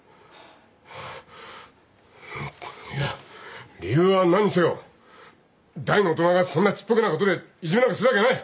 いや理由は何にせよ大の大人がそんなちっぽけなことでいじめなんかするわけない。